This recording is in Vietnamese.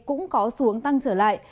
cũng có xuống tăng trở lại